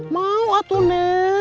mau atau neng